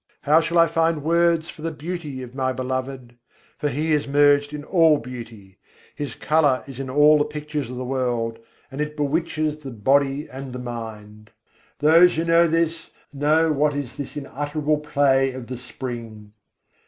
How shall I find words for the beauty of my Beloved? For He is merged in all beauty. His colour is in all the pictures of the world, and it bewitches the body and the mind. Those who know this, know what is this unutterable play of the Spring.